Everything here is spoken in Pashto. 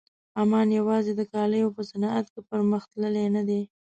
عمان یوازې د کالیو په صنعت کې پرمخ تللی نه دی.